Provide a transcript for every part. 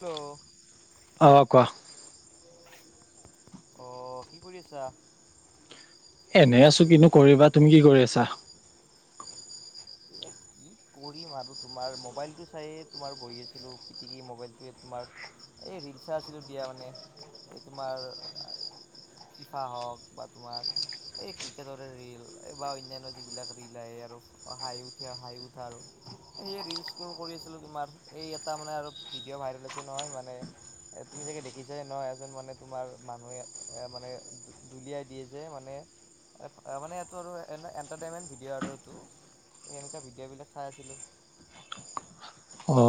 Hello অ', কোৱা। আহ, কি কৰি আছা? এনে আছো, কিন্তু কৰিবা তুমি কি কৰি আছা? এ কি কৰিম আৰু, তোমাৰ মোবাইল টো চাইে তোমাৰ বহি আছিলো পিটিকি মোবাইলটো তোমাৰ এই ৰিল চাছিলো দিয়া মানে, এই তোমাৰ [unintelligible] হওক বা তোমাৰ এই ক্ৰিকেটৰে ৰিল বা অনান্য যিবিলাক ৰিল আহ আৰু হাঁহি উঠি হাঁহি উঠা আৰু সে ৰিলচ কৰি আছিলো তোমাৰ এই এটা মানে, আৰু ভিডিঅ' ভাইৰেল আছে নহয় মানে এ তুমি চাগে দেখিছা নহয়, এজন মানে তোমাৰ মানুহে এ মানে দুলিয়াই দিয়ে যে মানে মানে, এইটো এটাৰেইনমেট ভিডিঅ' আৰু এইটো এনেকুৱা ভিডিঅ' বিলাক চাই আছিলো অ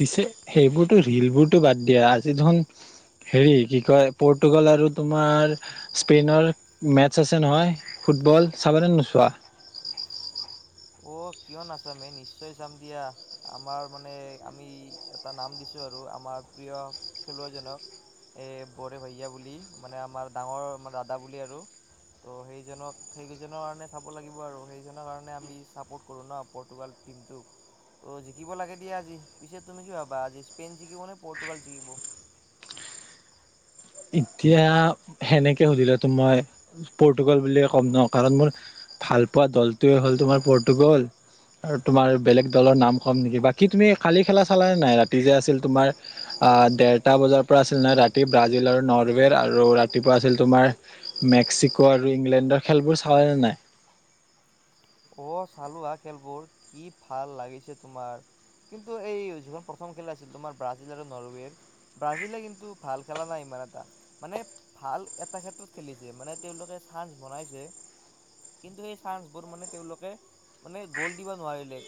পিছে সেইবোৰতো ৰিল বোৰতো বাদ দিয়া, আজি ধন হেৰি কি কয় পৰ্তুগাল আৰু তোমাৰ স্পেইনৰ মেটছ আছে নহয় ফুটবল চাব নোচোৱা অ', কিয় নাচামে নিশ্চয় চাম দিয়া, আমাৰ মানে আমি এটা নাম দিছো আৰু আমাৰ প্ৰিয় খেলুৱৈজনক এ বৰে ভাইা বুলি মানে, আমাৰ ডাঙৰ আম দাদা বুলি আৰু ত, সেইজনক সেইকেইজনৰ কাৰণে চাব লাগিব আৰু সেইজনৰ কাৰণে আমি ছাপৰ্ট কৰোঁ ন পৰ্টুগাল টীমটোক ত' জিকিব লাগে দিয়া আজি পিছে তুমি কি ভাবা আজি স্পেইন জিকিব নে, পৰ্তুগাল জিকিব এতিয়া সেনেকৈ সুধিলেতো মই পৰ্টুগাল বুলিয়ে ক'ম নওঁ কাৰণ মোৰ ভালপোৱা দলটোৱে হ'ল তোমাৰ পৰ্তুগল আৰু তোমাৰ বেলেগ দলৰ নাম কম নেকি, বা কি তুমি খালি খেলা চালাে নাই ৰাতি যে আছিল তোমাৰ অ', দেৰটা বজাৰ পৰা আছিল নে ৰাতি ব্ৰাজিল আৰু নৰ্থ আৰু ৰাতিপুৱা আছিল তোমাৰ মেক্সিকো আৰু ইংলেণ্ডৰ খেলবোৰ চাল নে নাই হয়। অ', চালো আহ খেলবোৰ কি ভাল লাগিছে তোমাৰ কিন্তু, এই যিখন প্ৰথম খেল আছিল তোমাৰ ব্ৰাজিল আৰু নৰৱেৰ ব্ৰাজিলে কিন্তু ভাল খেলা নাই ইমান এটা মানে, ভাল এটা ক্ষেত্ৰত খেলিছে মানে তেওঁলোকে চান বনাইছে কিন্তু সেই চান বোৰ মানে তেওঁলোকে মানে গ'ল দিব নোৱাৰিলে,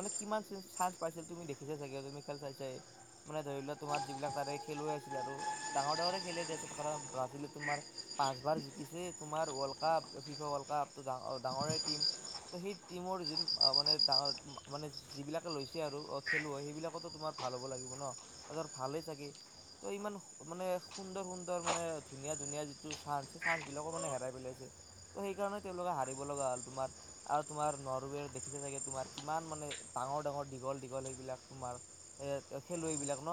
মানে কিমান চান্স পাইছিল তুমি দেখিছা চাগে তুমি খেল মানে ধৰি লোৱা তোমাৰ যিবিলাক তাৰে খেলুৱৈ আছিলে আৰু ডাঙৰ ডাঙৰে খেল পাচবাৰ জিকিছে তোমাৰ ডাঙৰ টিম- ত সেই টিমৰ যি মানে, ডাঙৰ মানে যিবিলাকে লৈছে আৰু, খেলুৱৈ সেইবিলাকো তোমাৰ মাৰ ভাল হ'ব লাগিব ন তাৰিছত ভালেই চাগে ত ইমান মানে সুন্দৰ সুন্দৰ মানে ধুনীয়া ধুনীয়া যিটো চানঞ্চ সেই চাঞ্চ বিলাকৰ মানে হেৰাই পেলাইছে ত' সেইকাৰণে তেওঁলোকে হাৰিব লগা হ'ল তোমাৰ আৰু তোমাৰ নৰবেৰ দেখিছো চাগে তোমাৰ কিমান মানে ডাঙৰ ডাঙৰ দীঘল দীঘল সেইবিলাক তোমাৰ এ খেলুৱৈ বিলাক ন,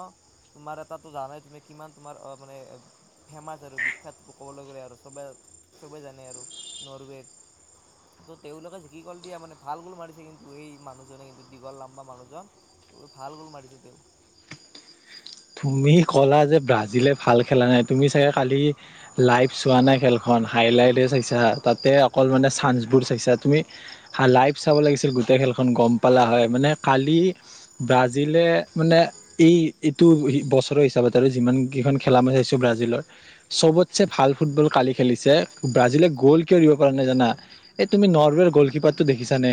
তোমাৰ এটা জানাই তুমি কিমান তোমাৰ অ', মানে ফেমাচ আৰু বিখ্যাত ক'বলৈ গ'লে, আৰু চবে জানে আৰু নৰৱে তেওঁলোক জিকি গ'ল দিয়াানে ভাল গ'ল মাৰিছে কিন্তু, সেই মানুহজনে কিন্তু দীঘল লাম্বা মানুহজন ভাল গ'ল মাৰিছে [unintelligible] তুমি ক'লা যে ব্ৰাজিলে ভাল খেলা নাই, তুমি চাগে কালি লাইভ চোৱা নাই খেলখন [unintelligible] গম পালা হয় মানে, কালি ব্ৰাজিলে মানে এইটো বছৰৰ হিচাপত আৰু যিমানকেইখন খেলা মই চাইছোঁ ব্ৰাজিলৰ চবতছে ভাল ফুটবল কালি খেলিছে ব্ৰাজিলে গ'ল কিয় দিব পাৰা নাই জানা, এই তুমি নৰৱেৰ গ'লকপাৰতটো দেখিছানে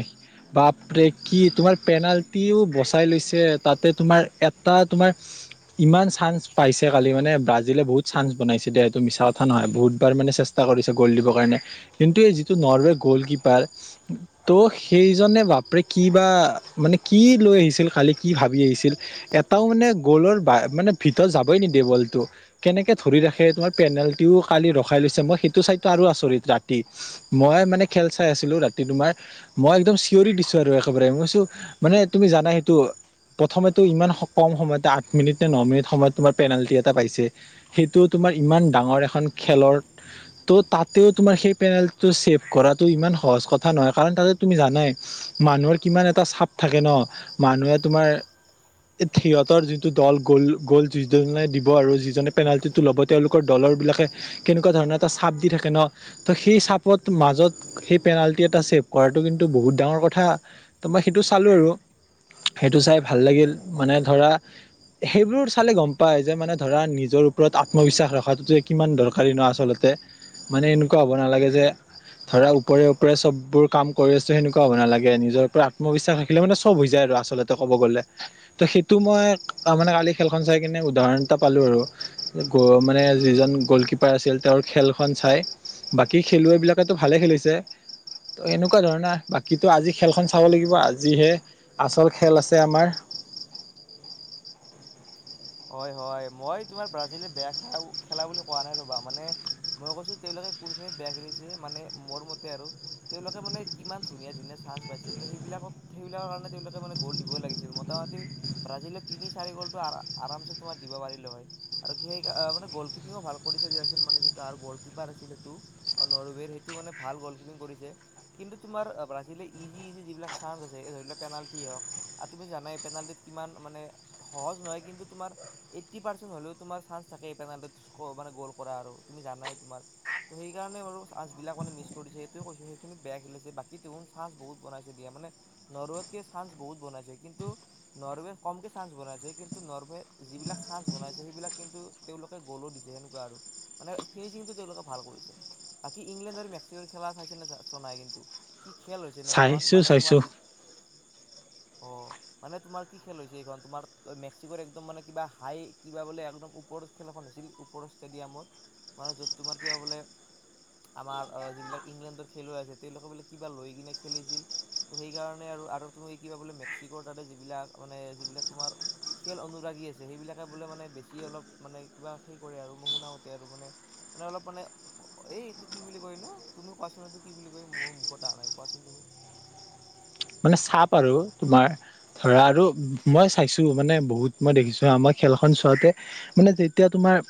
বাপৰে কি তোমাৰ পেনাল্টিও বচাই লৈছে তাতে তোমাৰ এটা তোমাৰ ইমান চান্স পাইছে কালি মানে ব্ৰাজিলে বহুত চান্স বনাইছে দে এইটো মিছা কথা নহয় বহুতবাৰ মানে চেষ্টা কৰি কৰিছে গ'ল দিব কাৰনে কিন্তু এই যিটো নৰৱে গ'ল কীপাৰ ত' সেইজনে বাপ প্ৰে কি বা মানে কি লৈ আহিছিল কালি কি ভাবি আহিছিল এটাও মানে গ'লৰ মানে ভিতৰত যাবই নিদিয়ে বল টো কেনেকে ধৰি ৰাখে তোমাৰ পেনাল্টীও কালি ৰখাই লৈছে মই সেইটো চাইটো আৰু আচৰিত ৰাতি মই মানে খেল চাই আছিলো ৰাতি তোমাৰ মই একদম চিঞ দি দিছোঁ আৰু একেবাৰে মইছো মানে তুমি জানা সেইটো প্ৰথমটো ইমান কম সময়তে আ আঠ মিনিট নে ন মিনিট সময়ত তোমাৰ পেনাল্টি এটা পাইছে সেইটো তোমাৰ ইমান ডাঙৰ এখন খেলৰ ত' তাতেও তোমাৰ সেই পেনাল্টীটো চছেভ কৰাটো ইমান সহজ কথা নহয় কাৰণ তাতে তুমি জানাই মানুহৰ কিমান এটা চাপ থাকে ন মানুহে তোমাৰ সিহঁতৰ যি টো দল গ'ল গ'ল যিজনে দিব আৰু যিজনে পেনাল্টি টো ল'ব তেওঁলোকৰ দলৰ বিলাকে কেনেকুৱা ধৰণৰ এটা চাপ দি থাকে ন সেই চাপত মাজত সেই পেনাল্টি এটা ছেভ কৰাটো কিন্তু বহুত ডাঙৰ কথা তো মই সেইটো চালো আৰু সেইটো চাই ভাল লাগিল তেওঁ মানে ধৰা সেইবোৰ চালে গম পায় যে মানে ধৰা নিজৰ ওপৰত আত্মবিশ্বাস ৰখাটোতো কিমান দৰকাৰী নহ আচলতে। মানে এনেকুৱা হ'ব নালাগে যে ধৰা ওপৰে ওপৰে চব বোৰ কাম কৰি আছো সেনেুকোৱা হ'ব নালাগে নিজৰ পৰা আত্মবিশ্বাস ৰাখিলে মানে চব হৈ যায় আৰু আচলতে ক'ব গলে ত' সেইটো মই অ', মানে কালি খেলখন চাই কিনে উদাহৰণ এটা পালো আৰু মানে যিজন গ'ল কিপাৰ আছিল তেওঁৰ খেলখন চাই বাকী খেলুৱৈবিলাকেটো ভালে খেলিছে। ত' এনেকুৱা ধৰণৰ বাকীতো আজি খেলখন চাব লাগিব আজিহে আচল খেল আছে আমাৰ। [inaudible] হয় হয় মই তোমাৰ ব্ৰাজিলে বেয়া খেল খেলা বুলি কোৱা নাই ৰ'বা মানে মই কৈছো তেওঁলোকে কোন খিনিত বেয়া খেলিছে মানে মোৰ মতে আৰু তেওঁলোকে মানে কিমান ধুনীয়া ধুনীয়া চাঞ্চ পাইছিল ত' সেই সেইবলাক সেইবিলাকৰ কাৰনে গ'ল দিব লছিল ম'তা ম'তি ব্ৰাজিলে তিনি চাৰি গ'ল টো আৰামছে তোমাৰ দিব পাৰিলে হয় আৰু সেই মানে গ'ল কিপিঙু ভাল কৰিছে দিয়াযচোন মানে য গ'ল কিপাৰ আ [unintelligible] নৰৱেৰ হেতু ভাল গ'ল কিপিং কৰিছে কিন্তু তোমাৰ ব্ৰাজিলে ইজি ইজি যিবিলাক চাঞ্চ আছে এই ধৰি লওক পেনাল্টী হওক আৰু তুমি জানাই পেনাল্টীত কিমান মানে সহজ নহয় কিন্তু তোমাৰ এইটি পৰেছেন্ত হলেও তোমাৰ চাঞ্চ থাকেই পেনাল্টীত মানে গ'ল কৰা আৰু তুমি জানাই তোমাৰ ত সেইকাৰণে বাৰু চাঞ্চ বিলাক মিছ কৰিছে সেইটোৱে কৈছো সেইখিনত বেয়া খেলিছে বাকী তো চাঞ্চ বহুত বনাইছে। মানে নৰৱেতকে চান্স বহুত বনাইছে কিন্তু নৰৱে কমকে চান্স বনাইছে কিন্তু নৰৱে যিবিলাক চান্স বনাইছে সেইবিলাক কিন্তু তেওঁলোকে গ'লো দিছে সেনেকুৱা আৰু মানে ফিনিচিংটো তেওঁলোকে ভাল কৰিছে বাকী ইংলেণ্ড আৰু মেক্সিকৰ খেলা চাইছে নে চোৱা নাই কিন্তু? কি খেল হৈছে নে এখন চাইছো মানে তোমাৰ চাইছো য অ', মানে তোমাৰ কি খেল হৈছে এইখন তোমাৰ মেক্সিকৰ একদম মানে কিবা হাই কিবা বোলে একদম ওপৰত খেল এখন হৈছিল ওপৰৰ ষ্টেডিয়ামত। মানুহ যত তোমাৰ কিবা বোলে আমাৰ যিবিলাক ইংলেণ্ডৰ খেলুৱৈ আছে তেওঁলোকৰ বোলে কিবা লৈ কিনে খেলিছিল। ত' সেইকাৰণে আৰু তুমি কিবা বোলে মেক্সিকৰ তাতে যিবিলাক মানে যিবিলাক তোমাৰ খেল অনুৰাগী আছে। সেইবিলাকে বোলে মানে বেছি অলপ মানে কিবা সেই কৰে আৰু মই শুনা মতে আৰু মানে মানে অলপ মানে এই এইটো কি বুলি কয় নো তুমি কোৱাচোন এইটো কি বুলি কয় মোৰ মুখত অহা নাই কোৱাচোন তুমি। মানে চাপ আৰু তোমাৰ ধৰা আৰু মই চাইছো মানে বহুত মই দেখিছো হা মই খেলখন চোৱাতে মানে যেতিয়া তোমাৰ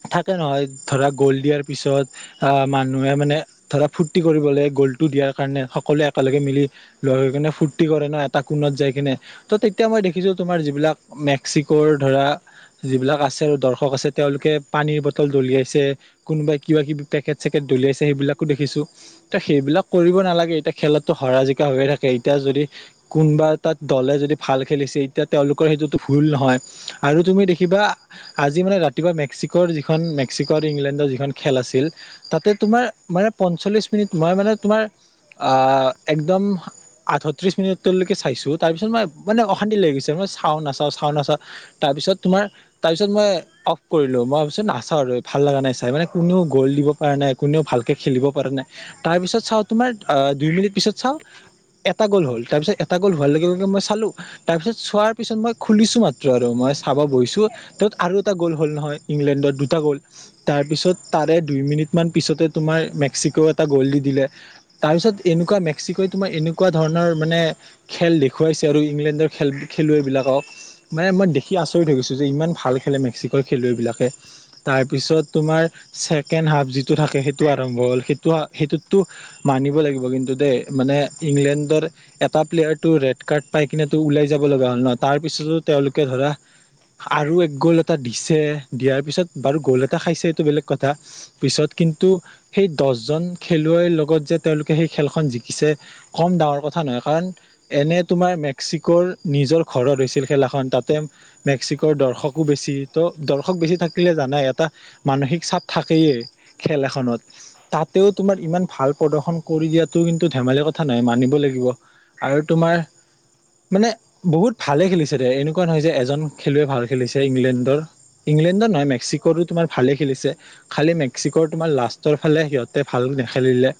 [unintelligible] থাকে নহয় ধৰা গ'ল দিয়াৰ পিছত আহ মানুহে মানে ধৰা ফূুৰ্তি কৰিবলৈ গ'লটো দিয়াৰ কাৰণে সকলোৱে একেলগে মিলি ল'ৰা হৈ কিনে ফূুৰ্তি কৰে ন এটা কোণত যাই কিনে ত' তেতিয়া মই দেখিছো তোমাৰ যিবিলাক মেক্সিক'ৰ ধৰা যিবিলাক আছে আৰু দৰ্শক আছে তেওঁলোকে পানীৰ বটল দলিয়াইছে কোনোবাই কিবা কিবি পেকেট চেকেট দলিয়াইছে সেইবিলাকো দেখিছোঁ, ত' সেইবিলাক কৰিব নালাগে এতিয়া খেলতো হৰা জিকা কা হৈয়ে থাকে এতিয়া যদি কোনোবা এটাত দলে যদি ভাল খেলিছে এতিয়া তেওঁওলোকৰ সেইটোতো ভুল নহয়। আৰু তুমি দেখিবা আজি মানে ৰাতিপুৱা মেক্সিক' যিখন মেক্সিক' আৰু ইংলেণ্ডৰ যিখন খেল আছিল, তাতে তোমাৰ মানে পঞ্চল্লিছ মিনিট নহয় মানে তোমাৰ আ, এক একদম আঠত্ৰিছ মিনিটলৈক চাইছোঁ তাৰপিছত মই মানে অশান্তি লাগি গৈছে মই চাওঁ না চাওঁ চাওঁ নাচাওঁ তাৰ পিছত তোমাৰ তাৰ পিছত মই অফ কৰিলোঁ, মই ভাবিছোঁ নাচাওঁ, ভাল লগা নাই। মানে কোনেও গ'ল দিব পৰা নাই, কোনেও ভালকে খেলিব পৰা নাই, তাৰপিছত চাওঁ তোমাৰ দুই মিনিট পিছত চাওঁ এটা গ'ল হ'ল তাৰপিছত এটা গ'ল হোৱাৰ লগে লগে মই চালোঁ তাৰপিছত চোৱাৰ পিছত মই খুলিছোঁ মাত্ৰ আৰু মই চাব বহিছোঁ টোত আৰু এটা গ'ল হ'ল নহয় ইংলেণ্ডত দুটা গ'ল, তাৰপিছত তাৰে দুই মিনিটমান পিছতে তোমাৰ মেক্সিকোই এটো গ'ল দি দিলে তাৰপিছত এনেকুৱা মেঘ মেক্সিকোই তোমাৰ এনেকুৱা ধৰণৰ মানে খেল দেখুৱাইছে আৰু ইংলেণ্ডৰ খেল খেলুৱৈবিলাকক। মানে মই দেখি আচৰিত হৈ গৈছোঁ যে ইমান ভাল খেলে মেক্সিকৰ খেলুৱৈ বিলাকে, তাৰপিছত তোমাৰ ছেকেণ্ড হাফ যিটো থাকে সেইটো আৰম্ভ হ'ল সেইটো সেইটোতো মানিব লাগিব কিন্তু দেই। মানে ইংলেণ্ডৰ এটা প্লেয়াৰটো ৰেড কাৰ্ড পাই কিনে তো ওলাই যাব লগা হ'ল নহয় তাৰপিছতো তেওঁলোকে ধৰা আৰু এক গ'ল এটা দিছে, দিয়াৰ পিছত বাৰু গ'ল এটা খাইছে এইটো বেলেগ কথা, পিছত কিন্তু সেই দহজন খেলুৱৈৰ লগত যে তেওঁলোকে সেই খেলখন জিক কিছে, কম ডাঙৰ কথা নহয়, কাৰণ এনে তোমাৰ মেক্সিকোৰ নিজৰ ঘৰত হৈছিল খেলা এখন তাতে মেক্সিকৰ দৰ্শকো বেছি ত' দৰ্শক বেছি থাকিলে দেখা জানাই এটা মানসিক চাপ থাকেয়ে খেল এখনত, তাতেও তোমাৰ ইমান ভাল প্ৰদৰ্শন কৰি দিয়াটো কিন্তু টো ধেমালি কথা নহয় মানিব লাগিব আৰু তোমাৰ মানে বহুত ভালে খেলিছে দিয়া, এনেকুৱা নহয় যে এজন খেলুৱৈ ভাল খেলিছে ইংলেণ্ডৰ। ইংলেণ্ডৰ নহয় মেক্সিকোওতো তোমাৰ ভালে খেলিছে খালি মেক্সিকো তোমাৰ লাষ্টৰ ফালে সিহঁতে ভাল নে,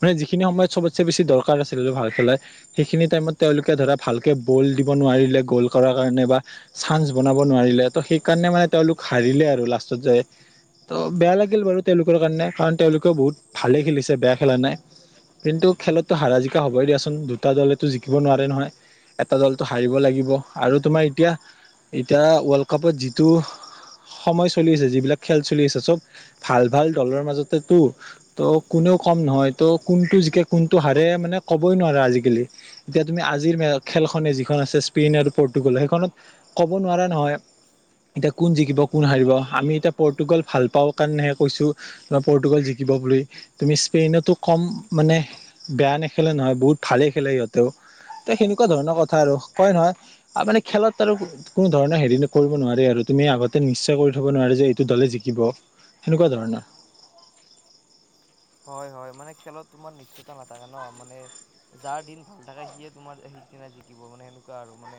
মানে যিখিনি সময়ত চবত চবচে বেছি দৰকাৰ আছিল ভাল খেলাৰ সেইখিনি টাইমত তেওঁলোকে ধৰা ভালকে ব'ল দিব নোৱাৰিলে গ'ল কৰা কাৰণে বা চান্স বনাব নোৱাৰিলে ত' সেইকাৰণে মানে তেওঁলোক হাৰিলে আৰু লাষ্টত যাই। ত' বেয়া লাগিল বাৰু তেওঁলোকৰ কাৰণে কাৰণ তেওঁলোকেও বহুত ভালে খেলিছে বেয়া খেলা নাই। কিন্তু খেলততো হাৰা জিকা হ'বই দিয়াচোন, দুটা দলেতো জিকিব নোৱাৰে নহয়। এটা দলটো হাৰিব লাগিব। আৰু তোমাৰ এতিয়া এতিয়া ৱৰ্ল্ড কাপত যিটো সময় চলি আছে, যিবিলাক খেল চলি আছে চব ভাল ভাল দলৰ মাজতেতো ত' কোনেও কম নহয় ত' কোনটো জিকে কোনটো হাৰে মানে ক'বই নোৱাৰা আজিকালি, এতিয়া তুমি আজিৰ মে খেলখনে যিখন আছে স্পেইন আৰু প এইটো গ'লত, সেইখনত ক'ব নোৱাৰা নহয়। এতিয়া কোন জিকিব কোন হাৰিব, আমি এতিয়া পৰ্তোগাল ভাল পাওঁ কাৰণেহে কৈছোঁ, মই পৰ্তোগাল জিকিব বুলি। তুমি স্পেইনতো কম মানে বেয়া নেখেলে নহয় বহুত ভালে খেলে সিহঁতেও। ত' সেনেকুৱা ধৰণৰ কথা আৰু কয় নহয় মানে খেলত আৰু কোনো ধৰণৰ হেৰি ন' কৰিব নোৱাৰি আৰু। তুমি আগতে নিশ্চয় কৰি থ'ব নোৱাৰা যে এইটো দলে জিকিব, সেনেকুৱা ধৰণৰ। [inaudible] হয় হয় মানে খেলত তোমাৰ নিশ্চয়তা নাথাকে ন' মানে যাৰ দিন ভাল থাকে সিয়ে তোমাৰ সিদিনা জিকিব মানে সেনেকুৱা আৰু মানে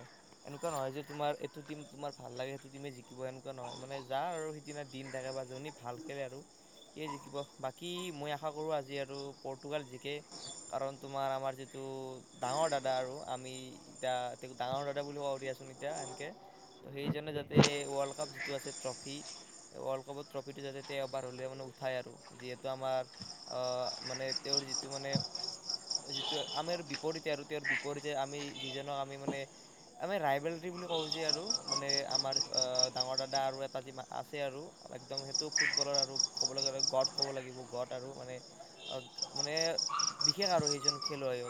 এনেকুৱা নহয় যে তোমাৰ এই জোনটো টিম তোমাৰ ভাল লাগে সেইটো টিম জিকিব সেনেকুৱা নহয় মানে যাৰ আৰু সেইদিনা দিন থাকে বা যি ভাল খেলে আৰু। সিয়ে জিকিব। বাকী মই আশা কৰোঁ আজি আৰু পৰ্টুগাল জিকে, কাৰণ তোমাৰ আমাৰ যিটো ডাঙৰ দাদা আৰু আমি এতিয়া ডাঙৰ দাদা বুলি ভাবোঁ দিয়াচোন এতিয়া এনকে। ত' সেইজনে যাতে ৱৰ্ল্ড কাপ যিটো আছে ট্ৰফি ৱৰ্ল্ড কাপৰ ট্ৰফিটো যাতে তেওঁ এবাৰ হ'লে মানে উঠাই আৰু যিহেতু আমাৰ অ' মানে তেওঁৰ যিটো মানে যিটো আমাৰ বিপৰীতে আৰু তেওঁৰ বিপৰীতে আমি যিজনক আমি মানে আমি ৰাইবেলি বুলি কওঁ যে আৰু মানে আমাৰ আ, ডাঙৰ দাদা আৰু এটা যি আছে আৰু। একদম সেইটোও ফুটবলৰ আৰু ক'ব লে গড ক'ব লাগিব আৰু মানে মানে বিশেষ আৰু সেইজন খেলুৱৈ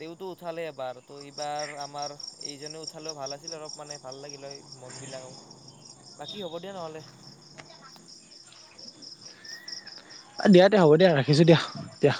তেতো উঠালে এবাৰ ত এইবাৰ আমাৰ এইজনে উঠালেও ভাল আছিল অলপ মানে ভাল লাগিল হয়। মনবিলাক বাকী হ'ব দিয়া নহ'লে। [unintelligible] দিয়া দে হ'ব দিয়া ৰাখিছোঁ দিয়া দিয়া।